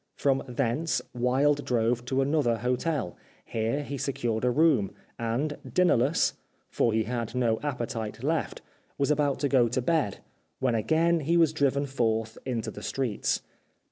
From thence Wilde drove to another hotel. Here he secured a room, and dinnerless, for he had no appetite left, was about to go to bed, when again he was 357 The Life of Oscar Wilde driven forth into the streets.